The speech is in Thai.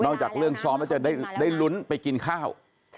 จากเรื่องซ้อมแล้วจะได้ลุ้นไปกินข้าว